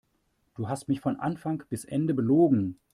Du hast mich von Anfang bis Ende belogen.